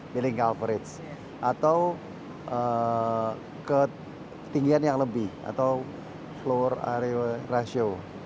billing average atau ketinggian yang lebih atau floor area ratio